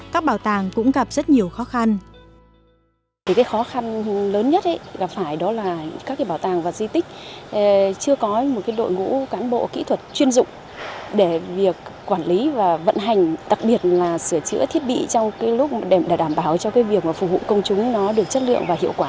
các bảo tàng cũng gặp rất nhiều khó khăn